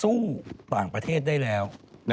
สู้ปากประเทศได้แล้ว